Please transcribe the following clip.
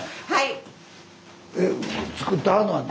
はい！